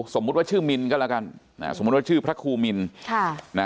สมมุติว่าชื่อมินก็แล้วกันสมมุติว่าชื่อพระครูมินค่ะนะ